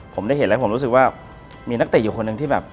ผมได้เห็นแล้วผมรู้สึกว่ามีนักเตะอยู่คนหนึ่งที่แบบ